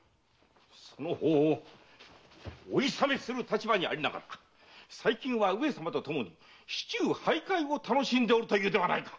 そのほうお諌めする立場にありながら最近は上様と共に市中徘徊を楽しんでおるというではないか？